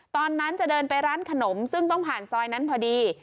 ตอนนั้นจะเดินไปร้านขนมซึ่งต้องผ่านซอยนั้นพอดี